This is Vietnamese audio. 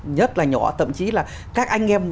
nhất là nhỏ thậm chí là các anh em